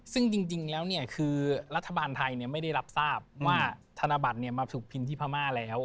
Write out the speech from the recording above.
ซึ่งจริงแล้วเนี่ยคือรัฐบาลไทยเนี่ยไม่ได้รับทราบว่าธนบัตรเนี่ยมาถูกพินที่พม่าแล้ว